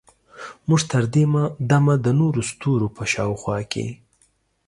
موږ تر دې دمه د نورو ستورو په شاوخوا کې